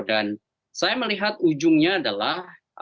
dan saya melihat ujungnya adalah